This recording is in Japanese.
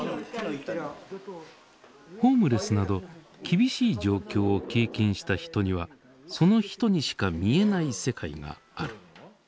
ホームレスなど厳しい状況を経験した人にはその人にしか見えない世界がある。